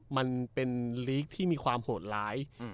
มันเป็นลีกที่มีความโหดร้าย